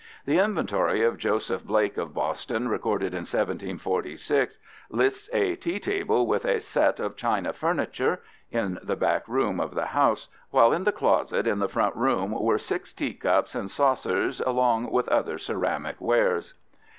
The inventory of Joseph Blake of Boston recorded in 1746 lists a "tea Table with a Sett of China furniture" in the back room of the house, while in the "closett" in the front room were "6 Tea Cups & Saucers" along with other ceramic wares.